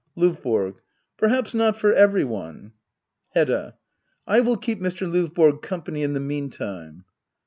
L&VBORO. Perhaps not for every one. Hedda. I will keep Mr. Lovborg company in the meantime.